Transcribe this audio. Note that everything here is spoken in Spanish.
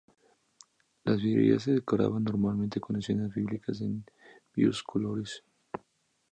Las vidrieras se decoraban normalmente con escenas bíblicas en vivos colores.